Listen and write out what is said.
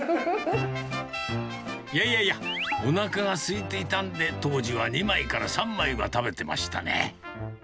いやいやいや、おなかがすいていたんで、当時は２枚から３枚は食べてましたね。